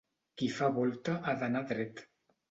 Qui fa volta ha d'anar dret.